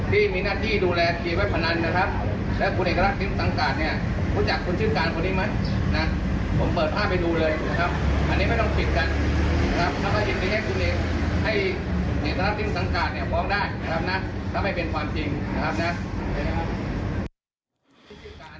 ผมเปิดภาพไปดูเลยครับอันนี้ไม่ต้องปิดกันครับถ้าเกิดไม่ใช่ความจริงให้คุณเองให้เหตุนักริมสังการฟ้องได้ครับนะถ้าไม่เป็นความจริงนะครับนะ